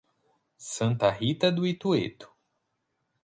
Santa Rita do Itueto